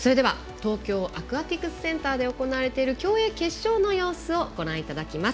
東京アクアティクスセンターで行われている競泳決勝の様子をご覧いただきます。